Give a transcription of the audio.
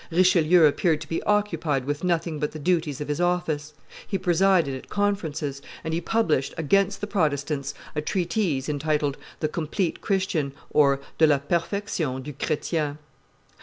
Richelieu appeared to be occupied with nothing but the duties of his office; he presided at conferences; and he published, against the Protestants, a treatise entitled The Complete Christian (De la Perfection du Chretien).